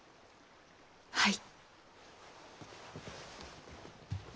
はい。